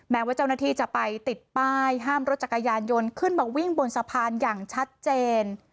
แม้ว่าเจ้าหน้าที่จะไปติดป้ายห้ามรถจักรยานยนต์ขึ้นมาวิ่งบนสะพานอย่างชัดเจน